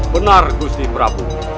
benar gusti prabu